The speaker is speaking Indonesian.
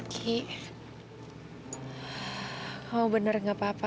ki kamu bener nggak papa